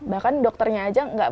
bahkan dokternya aja nggak